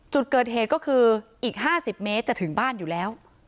จุดเกิดเหตุก็คืออีก๕๐เมตรจะถึงบ้านอยู่แล้ว